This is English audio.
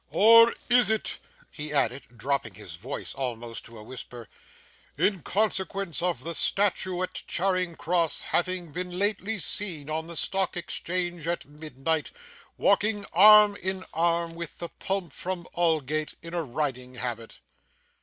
Or is it,' he added, dropping his voice almost to a whisper, 'in consequence of the statue at Charing Cross having been lately seen, on the Stock Exchange at midnight, walking arm in arm with the Pump from Aldgate, in a riding habit?